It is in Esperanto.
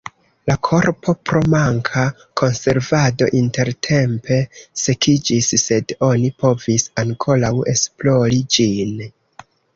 La korpo pro manka konservado intertempe sekiĝis, sed oni povis ankoraŭ esplori ĝin.